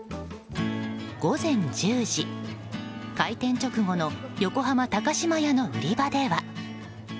午前１０時、開店直後の横浜高島屋の売り場では。